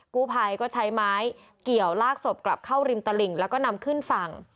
กู้ภัยก็ใช้ไม้เกี่ยวลากศพกลับเข้าริมตลิ่งแล้วก็นำขึ้นฝั่ง